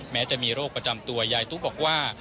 แม้จะมีโรคประจำตัวยายตุ๊กบอกว่า